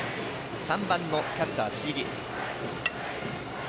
３番のキャッチャー、椎木。